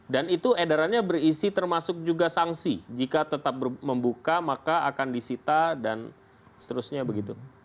dan itu edarannya berisi termasuk juga sanksi jika tetap membuka maka akan disita dan seterusnya begitu